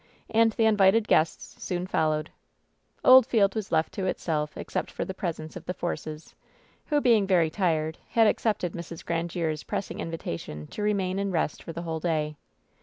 And the invited guests soon followed. Oldfield was left to itself, except for the presence of the Forces, who, being very tired, had accepted Mrs. Grandiere's pressing invitation to remain and rest for the whole day.